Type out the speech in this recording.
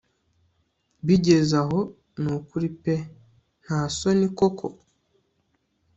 bigezaho nukuri pe ntasoni koko